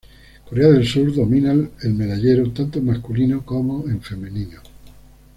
Corea del Sur domina el medallero tanto en masculino como en femenino.